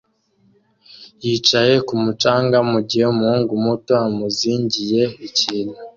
yicaye kumu canga mugihe umuhungu muto amuzingiye ikintu